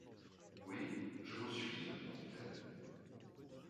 Oui, je vous suis, répondit-elle.